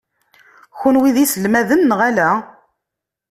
Kenwi d iselmaden neɣ ala?